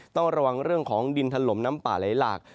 ต้องระวังเรื่องของดินถล่มน้ำป่าไหลหลาก